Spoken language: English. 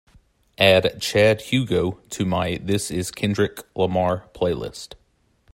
Add Chad Hugo to my This Is Kendrick Lamar playlist.